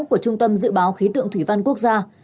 của trung tâm dự báo khí tượng thủy văn quốc gia